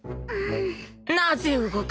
なぜ動く？